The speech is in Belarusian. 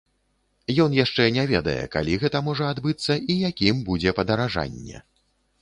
Ён яшчэ не ведае, калі гэта можа адбыцца і якім будзе падаражанне.